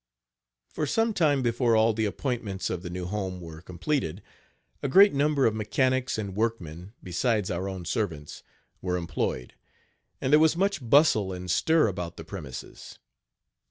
For some time before all the appointments of the new home were completed, a great number of mechanics and workmen, besides our own servants, were employed; and there was much bustle and stir about the premises.